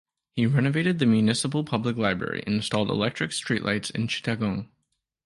He renovated the Municipal Public Library and installed electric street lights in Chittagong.